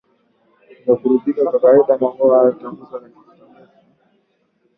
vya kuridhisha kwa kawaida Mwongozo wa Utambuzi na Takwimu ya